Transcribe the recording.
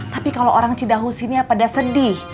tapi kalo orang cidaho sini ya pada sedih